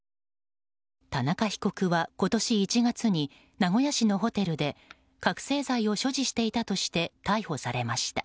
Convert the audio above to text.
田中被告は今年１月に名古屋市のホテルで覚醒剤を所持していたとして逮捕されました。